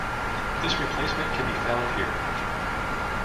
This replacement can be found here.